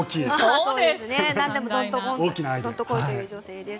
何でもどんと来いという女性です。